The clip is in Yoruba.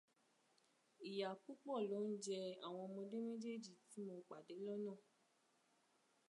Ìyà púpọ̀ ló ń jẹ àwọn ọmọdé méjèjì tí mo pàdé lọ́nà